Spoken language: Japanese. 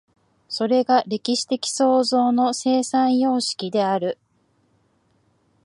それが歴史的創造の生産様式である。